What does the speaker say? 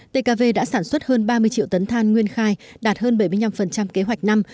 tkv đã sản xuất hơn ba mươi triệu tấn than nguyên khai đạt hơn bảy mươi năm kế hoạch năm